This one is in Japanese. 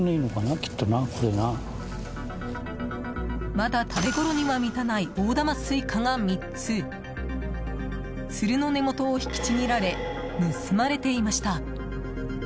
まだ食べごろには満たない大玉スイカが３つツルの根本を引きちぎられ盗まれていました。